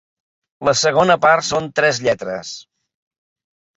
La segona part són tres lletres.